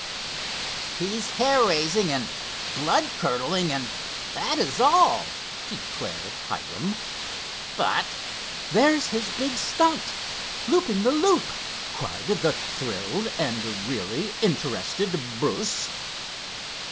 "He's hair raising and blood curdling, and that is all," declared Hiram. "But——" "There's his big stunt—looping the loop!" cried the thrilled and really interested Bruce.